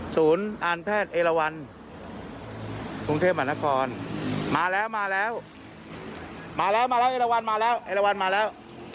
ศูนย์การแพทย์เอลวันกรุงเทพมหานครมาแล้วมาแล้วมาแล้วมาแล้วเอราวันมาแล้วเอราวันมาแล้ว